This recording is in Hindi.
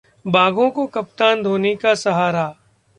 बाघों को कप्तान धोनी का सहारा